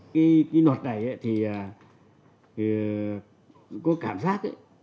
cái luật này thì có cảm giác